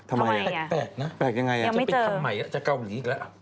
ทำไมยังไม่เจอแปลกนะจะไปทำใหม่จะเกาหลีอีกแล้ว